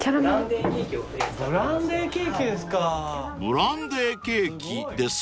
［ブランデーケーキですか］